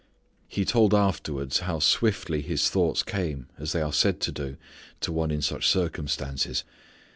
He told afterwards how swiftly his thoughts came as they are said to do to one in such circumstances.